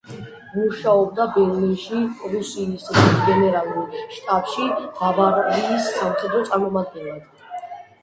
მუშაობდა ბერლინში, პრუსიის დიდ გენერალურ შტაბში, ბავარიის სამხედრო წარმომადგენლად.